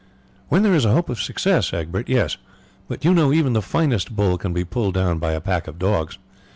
"When there is a hope of success, Egbert, yes; but you know even the finest bull can be pulled down by a pack of dogs.